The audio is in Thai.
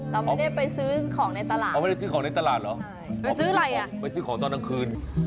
เราไม่ได้ไปซื้อของในตลาดอ๋อไม่ได้ซื้อของในตลาดเหรอไปซื้อของตอนกลางคืน